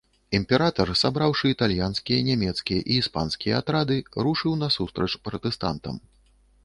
Імператар, сабраўшы італьянскія, нямецкія і іспанскія атрады, рушыў насустрач пратэстантам.